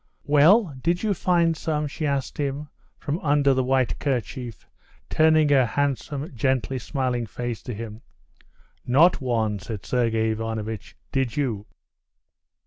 "Well, did you find some?" she asked from under the white kerchief, turning her handsome, gently smiling face to him. "Not one," said Sergey Ivanovitch. "Did you?"